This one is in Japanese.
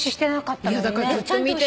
いやだからずっと見て。